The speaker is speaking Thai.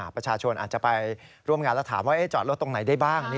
ประชาชนอาจจะไปร่วมงานแล้วถามว่าจอดรถตรงไหนได้บ้าง